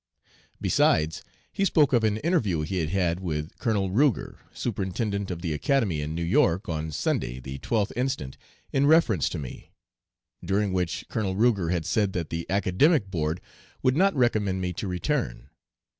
Besides, he spoke of an interview he had had with Colonel Ruger, Superintendent of the Academy, in New York, on Sunday, the 12th instant, in reference to me; during which Colonel Ruger had said that the Academic Board would not recommend me to return.